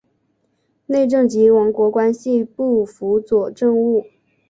内政及王国关系部辅佐政务。